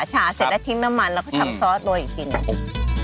ฉาเสร็จแล้วทิ้งน้ำมันแล้วก็ทำซอสโบอีกทีหนึ่ง